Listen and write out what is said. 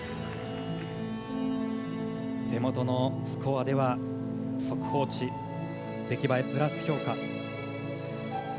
手元のスコアでは速報値、出来栄えプラス評価。